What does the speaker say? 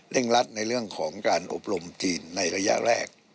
รัดในเรื่องของการอบรมจีนในระยะแรก